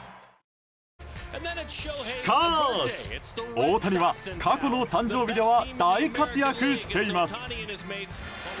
しかし、大谷は過去の誕生日では大活躍しています。